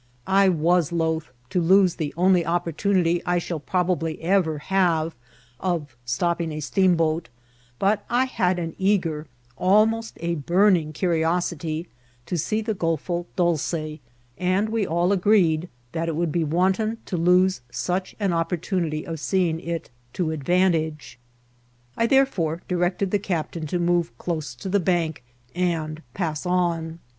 I was loth to lose the only opportunity I shall probably ever have of stopping a steamboat ; but I had an eager, al most a burning curiosity to see the Oolfo Dolce, and we all agreed that it would be wanton to lose such an opportunity of seeing it to advantage. I therefore di rected the captain to move close to the bank and pass on.